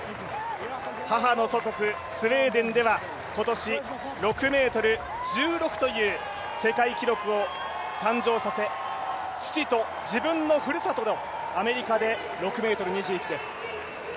母の祖国、スウェーデンでは今年６ｍ１６という世界記録を誕生させ、父と自分のふるさとのアメリカで６ｍ２１です。